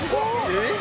「えっ？」